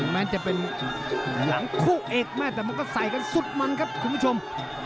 แม้จะเป็นหลังคู่เอกแม่แต่มันก็ใส่กันสุดมันครับคุณผู้ชม